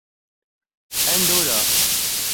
Andorra